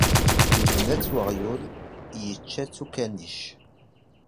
Yebna-tt uɣyul, yečča-tt ukanic.